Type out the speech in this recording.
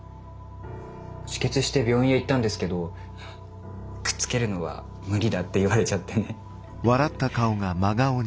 止血して病院へ行ったんですけどくっつけるのは無理だって言われちゃってね。